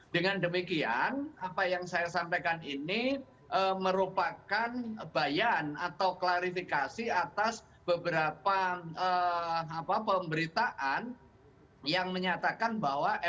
dengan demikian apa yang saya sampaikan ini merupakan bayan atau klarifikasi atas beberapa pemberitaan yang menyatakan bahwa